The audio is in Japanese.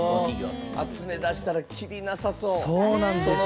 集めだしたらきりなさそう。